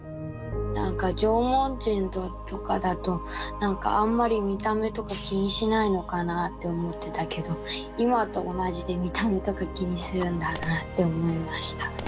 なんか縄文人とかだとなんかあんまり見た目とか気にしないのかなあって思ってたけど今と同じで見た目とか気にするんだなあって思いました。